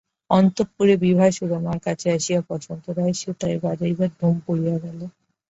অন্তঃপুরে বিভা সুরমার কাছে আসিয়া বসন্ত রায়ের সেতার বাজাইবার ধুম পড়িয়া গেল।